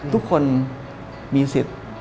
ทุกคนมีสิทธิ์